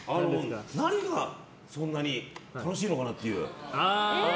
何がそんなに楽しいのかなって。